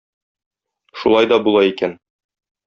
Шулай да була икән.